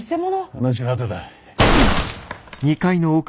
話はあとだ。